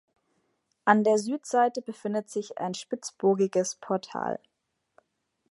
An der Südseite befindet sich ein spitzbogiges Portal.